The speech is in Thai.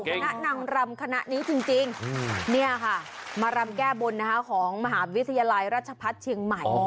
คณะนางรำคณะนี้จริงเนี่ยค่ะมารำแก้บนของมหาวิทยาลัยราชพัฒน์เชียงใหม่